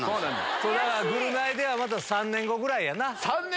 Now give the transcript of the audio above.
それはぐるナイではまた３年後ぐらいやな。